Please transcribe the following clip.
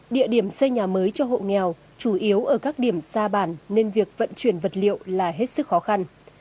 địa điểm xây nhà mới cho hộ nghèo chủ yếu ở các điểm xa bản nên việc vận chuyển vật liệu là hết sức khó khăn